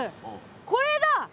これだ！